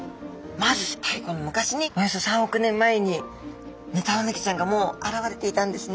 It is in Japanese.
まず太古の昔におよそ３億年前にヌタウナギちゃんがもう現れていたんですね。